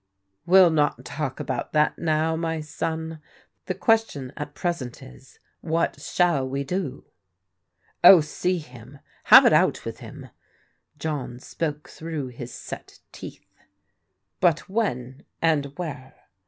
" We'll not talk about that now, my son. The ques tion at present is — what shall we do? "" Oh, see him ! Have it out with him !" John spoke through his set teeth. "But when, and where?"